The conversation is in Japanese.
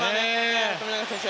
富永選手。